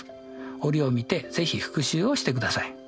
折を見て是非復習をしてください。